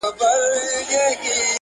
o لښکر که ډېر وي، بې سره هېر وي٫